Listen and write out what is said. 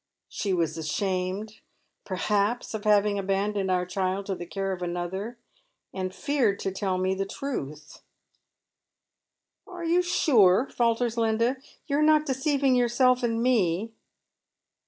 She was ashamed, perhaps, of having abandoned our child to the care of another, and feared to tell me the tnith." A Father's Claim. 277 " Are you sure ?" falters Linda. " You are not deceiving yourself and me